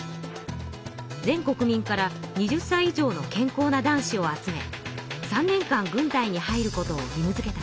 全国民から２０歳以上の健康な男子を集め３年間軍隊に入ることを義務づけたのです。